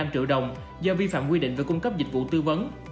hai mươi năm triệu đồng do vi phạm quy định về cung cấp dịch vụ tư vấn